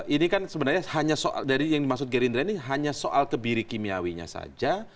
ini kan sebenarnya hanya soal dari yang dimaksud gerindra ini hanya soal kebiri kimiawinya saja